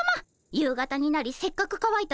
夕方になりせっかくかわいた